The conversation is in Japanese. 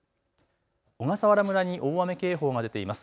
小笠原村に大雨警報が出ています。